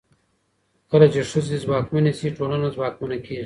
کله چې ښځې ځواکمنې شي، ټولنه ځواکمنه کېږي.